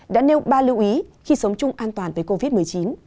đã nêu ba lưu ý khi sống chung an toàn với covid một mươi chín